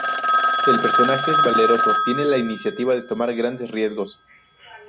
El personaje es valeroso; tiene la iniciativa de tomar grandes riesgos.